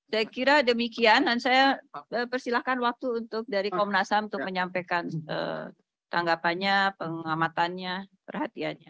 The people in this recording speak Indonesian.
saya kira demikian dan saya persilahkan waktu untuk dari komnas ham untuk menyampaikan tanggapannya pengamatannya perhatiannya